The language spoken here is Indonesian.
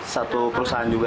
satu perusahaan juga